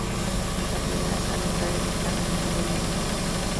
La primera sala está dedicada al mundo medieval.